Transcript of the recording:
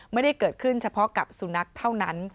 ไม่ได้เกิดขึ้นเฉพาะกับสุนัขเท่านั้น